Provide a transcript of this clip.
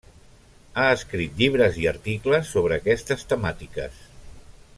Ha escrit llibres i articles sobre aquestes temàtiques.